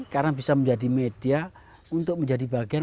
karena bisa menjadi media untuk menjadi bagian